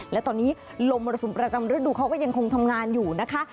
และตอนนี้ลมมรสุมประจำฤดูเขาก็ยังคงทำงานอยู่นะคะ